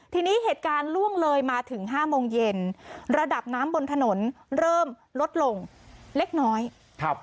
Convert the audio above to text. ทีนี้เหตุการณ์ล่วงเลยมาถึงห้าโมงเย็นระดับน้ำบนถนนเริ่มลดลงเล็กน้อยครับ